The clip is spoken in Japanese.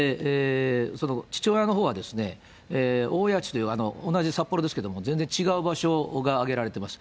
父親のほうは大谷地という同じ札幌ですけれども、全然違う場所が挙げられています。